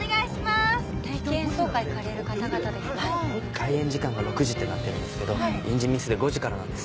開演時間が６時ってなってるんですけど印字ミスで５時からなんです。